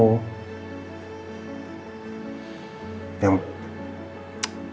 aku rasa ini cuman ya kamu punya perasaan yang campur aduk lah